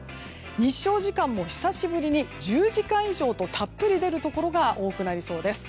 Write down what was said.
日照時間も久しぶりに１０時間以上とたっぷり出るところが多くなりそうです。